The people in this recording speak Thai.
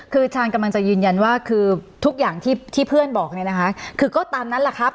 คือชาญกำลังจะยืนยันว่าคือทุกอย่างที่เพื่อนบอกเนี่ยนะคะคือก็ตามนั้นแหละครับ